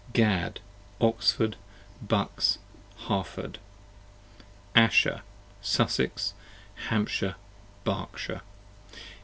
Gad, Oxford, Bucks, Harford. Asher, Sussex, Hampshire, Berkshire.